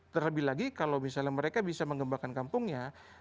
terlebih lagi kalau misalnya mereka bisa mengembangkan kampungnya